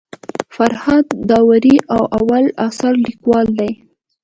فرهاد داوري د اوو اثارو لیکوال دی.